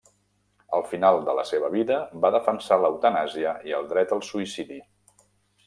Al final de la seva vida va defensar l'eutanàsia i el dret al suïcidi.